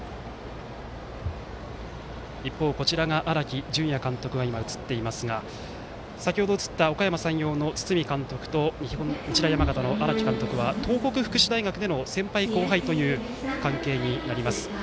一方、荒木準也監督が映っていますが先ほど映ったおかやま山陽の堤監督と日大山形の荒木監督は東北福祉大学での先輩、後輩という関係になります。